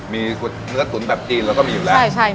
มีเนื้อตุ๋นแบบจีนเราก็มีอยู่แล้ว